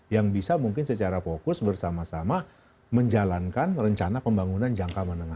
yang bisa mungkin secara fokus bersama sama menjalankan rencana pembangunan jangka menengah